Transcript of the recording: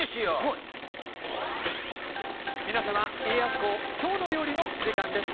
皆様「家康公きょうの料理」の時間です。